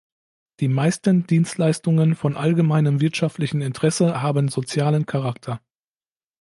Die meisten Dienstleistungen von allgemeinem wirtschaftlichem Interesse haben sozialen Charakter.